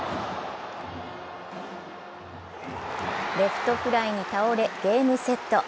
レフトフライに倒れゲームセット。